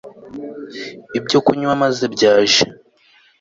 ibyo kunywa maze byaje